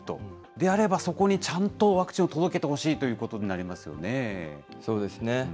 であればそこにちゃんとワクチンを届けてほしいということになりそうですね。